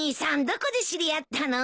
どこで知り合ったの？